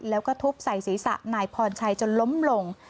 แล้วก็ทุบใส่ศีรษะนายพรชัยจนล้มลง